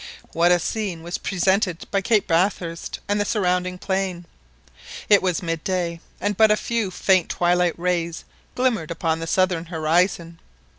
What a scene was presented by Cape Bathurst and the surrounding plain. It was mid day, and but a few faint twilight rays glimmered upon the southern horizon.